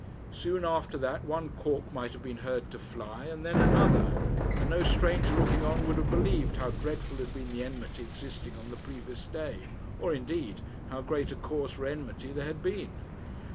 Soon after that one cork might have been heard to fly, and then another, and no stranger looking on would have believed how dreadful had been the enmity existing on the previous day or, indeed, how great a cause for enmity there had been.